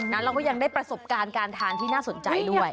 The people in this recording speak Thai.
เราก็ยังได้ประสบการณ์การทานที่น่าสนใจด้วย